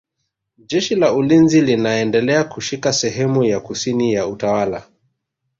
Jeshi la ulinzi likaendelea kushika sehemu ya kusini ya utawala